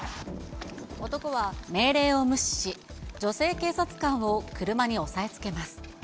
男は命令を無視し、女性警察官を車に押さえつけます。